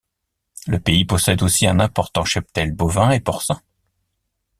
Le pays possède aussi un important cheptel bovin et porcin.